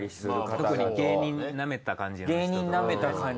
特に芸人ナメた感じの人。